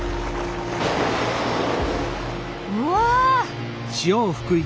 うわ！